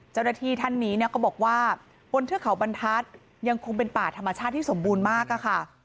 เจ้าหน้าที่ท่านนี้เนี่ยก็บอกว่าบนเทือกเขาบรรทัศน์ยังคงเป็นป่าธรรมชาติที่สมบูรณ์มากอะค่ะ